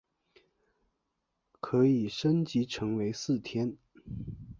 可以升级成为四天。